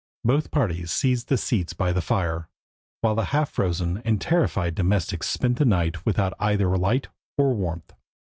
Both parties seized the seats by the fire, while the half frozen and terrified domestics spent the night without either light or warmth.